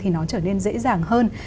thì nó trở nên dễ dàng hơn